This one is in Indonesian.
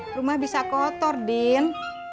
rumah bisa kotor din